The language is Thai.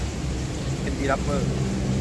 เอ็น ดี รับเบอร์